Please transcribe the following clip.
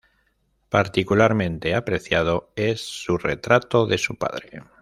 Particularmente apreciado es su retrato de su padre.